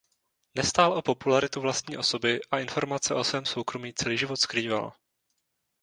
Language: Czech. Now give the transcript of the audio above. Nestál o popularitu vlastní osoby a informace o svém soukromí celý život skrýval.